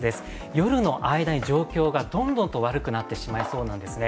夜の間に状況がどんどんと悪くなってしまいそうなんですね。